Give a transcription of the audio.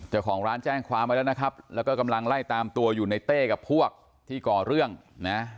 เจ้าของร้านแจ้งความไว้แล้วนะครับแล้วก็กำลังไล่ตามตัวอยู่ในเต้กับพวกที่ก่อเรื่องนะ